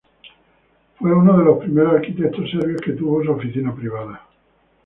Él fue uno de los primeros arquitectos serbios que tuvo su oficina privada.